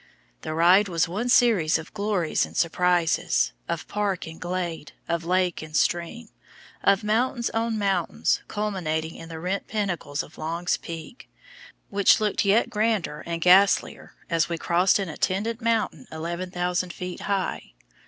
The ride was one series of glories and surprises, of "park" and glade, of lake and stream, of mountains on mountains, culminating in the rent pinnacles of Long's Peak, which looked yet grander and ghastlier as we crossed an attendant mountain 11,000 feet high.